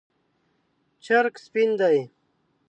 چرګ سپین دی